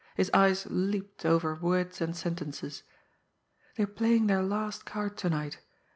His eyes leaped over words and sentences. "... They are playing their last card to night